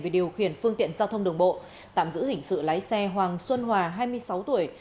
về điều khiển phương tiện giao thông đường bộ tạm giữ hình sự lái xe hoàng xuân hòa hai mươi sáu tuổi